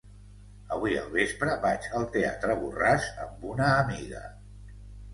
Avui al vespre vaig al teatre Borràs amb una amiga.